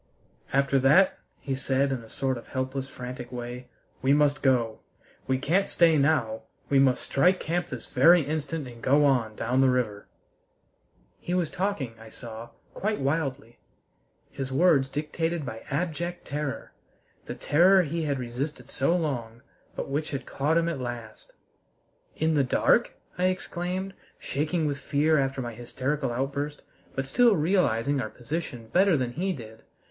"After that," he said in a sort of helpless, frantic way, "we must go! We can't stay now; we must strike camp this very instant and go on down the river." He was talking, I saw, quite wildly, his words dictated by abject terror the terror he had resisted so long, but which had caught him at last. "In the dark?" I exclaimed, shaking with fear after my hysterical outburst, but still realizing our position better than he did.